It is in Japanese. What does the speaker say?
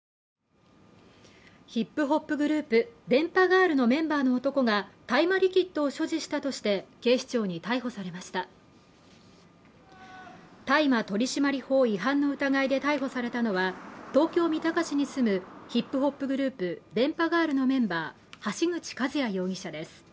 ヒップホップグループ電波少女のメンバーの男が大麻リキッドを所持したとして警視庁に逮捕されました大麻取締法違反の疑いで逮捕されたのは東京・三鷹市に住むヒップホップグループ電波少女のメンバー橋口一八容疑者です